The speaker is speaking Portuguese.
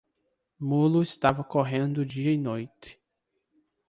Mulo estava correndo dia e noite.